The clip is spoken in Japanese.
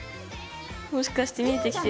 もしかして見えてきてる？